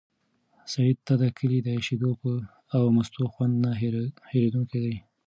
سعید ته د کلي د شیدو او مستو خوند نه هېرېدونکی دی.